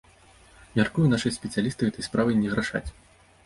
Мяркую, нашыя спецыялісты гэтай справай не грашаць.